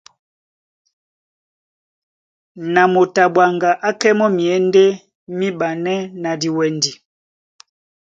Na moto a ɓwaŋga á kɛ́ mɔ́ myěndé míɓanɛ́ na diwɛndi.